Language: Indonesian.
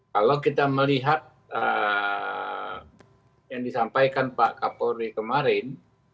kalau kita melihat yang disampaikan pak kapolri kemarin